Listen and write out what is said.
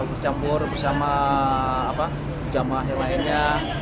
bercampur bersama jamaah yang lainnya